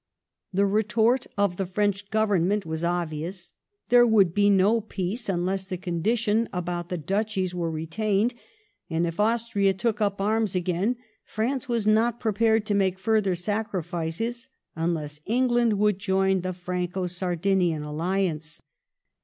The retort of the French Government was obvious ; there would be no peace unless the condition about the duchies were retained, and if Austria took up arms again, France was not prepared to make further sacrifices unless England would join the Franco Sardinian alliance.